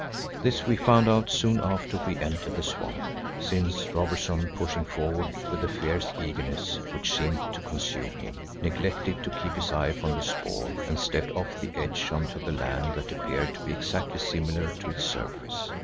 This we found out soon after we entered the swamp, since Robertson, pushing forward with the fierce eagerness which seemed to consume him, neglected to keep his eye upon the spoor and stepped off the edge on to land that appeared to be exactly similar to its surface.